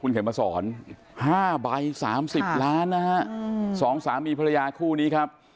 คุณเข็มมาสอนห้าใบสามสิบล้านนะฮะสองสามีภรรยาคู่นี้ครับ